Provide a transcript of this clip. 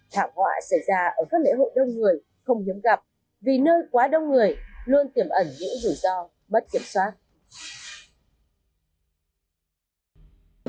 thảm họa xảy ra ở các lễ hội đông người không hiếm gặp vì nơi quá đông người luôn tiềm ẩn những rủi ro mất kiểm soát